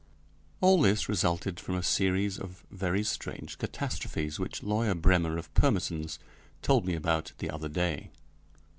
_ All this resulted from a series of very strange catastrophes which lawyer Brêmer of Pirmesens told me about the other day.